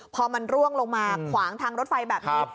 พอมันร่วงลงมาขวางทางรถไฟแบบนี้